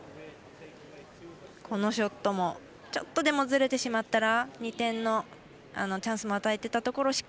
このショットもちょっとでもずれてしまったら２点のチャンスも与えていたところ